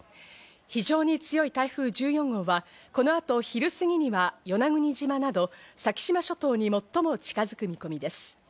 非常に強い台風１４号はこの後、昼過ぎには与那国島など先島諸島に最も近づく見込みです。